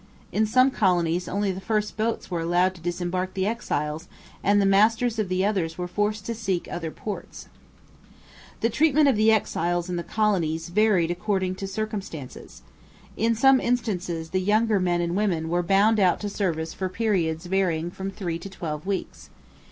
In some colonies only the first boats were allowed to disembark the exiles, and the masters of the others were forced to seek other ports. The treatment of the exiles in the colonies varied according to circumstances. In some instances the younger men and women were bound out to service for periods varying from three to twelve weeks.